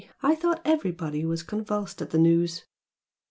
I thought everybody was convulsed at the news!"